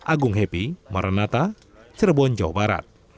agung happy maranata cirebon jawa barat